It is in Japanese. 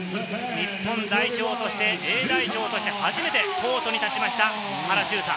日本代表として、Ａ代表として初めてコートに立ちました原修太。